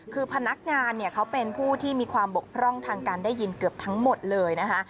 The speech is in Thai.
คือพนักงานเนี่ยเขาเป็นผู้ที่มีความบกพร่องทางการได้ยินเกือบทั้งหมดเลยนะคะ